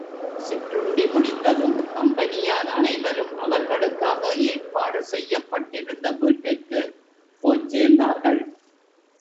சிற்றுண்டி முடிந்ததும் கம்பெனியார் அனைவரும் அவர்களுக்காக ஏற்பாடு செய்யப்பட்டிருந்த வீட்டுக்குப் போய்ச் சேர்ந்தார்கள்.